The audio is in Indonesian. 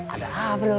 ada april tuh